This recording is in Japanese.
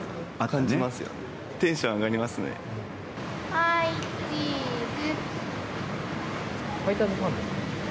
はい、チーズ。